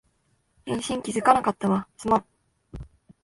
返信気づかなかったわ、すまん